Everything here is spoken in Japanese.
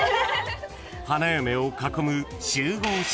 ［花嫁を囲む集合写真］